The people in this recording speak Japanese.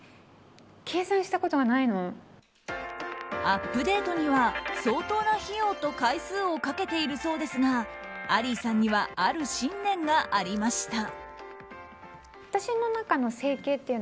アップデートには相当な費用と回数をかけているそうですがアリーさんにはある信念がありました。